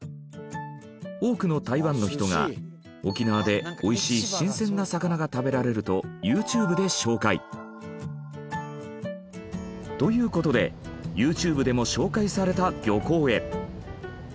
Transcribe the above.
多くの台湾の人が沖縄でおいしい新鮮な魚が食べられるとユーチューブで紹介。という事でユーチューブでも紹介された漁港へ。